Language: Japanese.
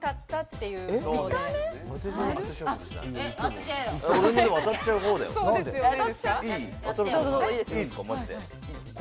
いいですか？